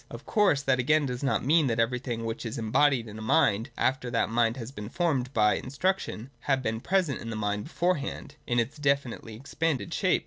Of course that again does not mean that everything which is embodied in a mind, after that mind has been formed by instruction, had been present in that mind beforehand, in its definitely expanded shape.